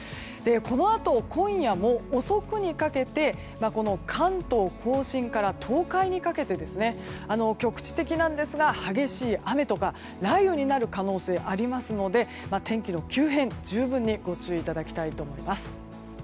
このあと今夜も遅くにかけて関東・甲信から東海にかけて局地的なんですが激しい雨とか雷雨になる可能性がありますので天気の急変に十分ご注意いただきたいと思います。